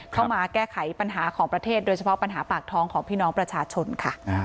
เข้ามาแก้ไขปัญหาของประเทศโดยเฉพาะปัญหาปากท้องของพี่น้องประชาชนค่ะ